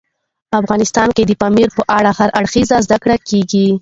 افغانستان کې د پامیر په اړه هر اړخیزه زده کړه کېږي.